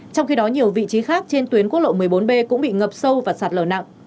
trong khi đó nhiều vị trí khác trên tuyến quốc lộ một mươi bốn b cũng bị ngập sâu và sạt lở nặng